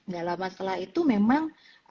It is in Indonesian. gak lama setelah itu memang